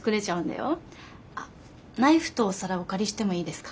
あっナイフとお皿お借りしてもいいですか？